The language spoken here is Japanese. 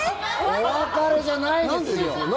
お別れじゃないですよ！